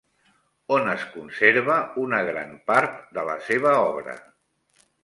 On es conserva una gran part de la seva obra?